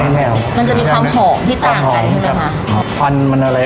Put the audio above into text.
ไม่ให้แพ้เอามันจะมีความหอมที่ต่างกันใช่ไหมคะครับควันมันอะไรอ่ะ